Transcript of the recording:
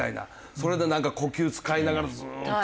それでなんか呼吸使いながらずっと。